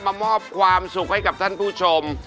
มามอบความสุขให้กับท่านผู้ชม